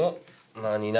何何？